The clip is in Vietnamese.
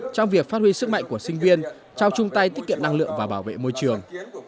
trong việc phát huy sức mạnh của sinh viên trong chung tay tiết kiệm năng lượng và bảo vệ môi trường